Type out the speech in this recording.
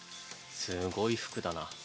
すごい服だな。